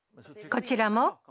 こちらも？